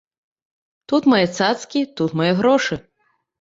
Тут мае цацкі, тут мае грошы.